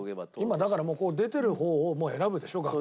今だからもう出てる方を選ぶでしょ学校も。